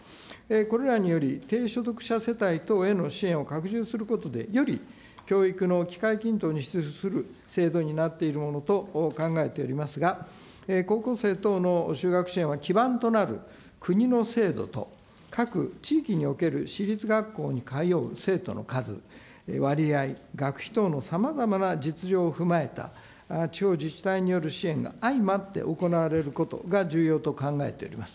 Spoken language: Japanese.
これらにより、低所得者世帯等への支援を拡充することでより教育の機会均等に資する制度になっているものと考えておりますが、高校生等の就学支援は基盤となる国の制度と、各地域における私立学校に通う生徒の数、割合、学費等のさまざまな実情を踏まえた地方自治体による支援があいまって行われることが重要と考えております。